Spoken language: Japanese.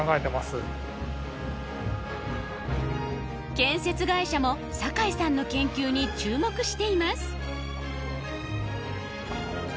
建設会社も酒井さんの研究に注目しています